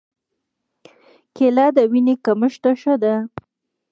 کېله د وینې کمښت ته ښه ده.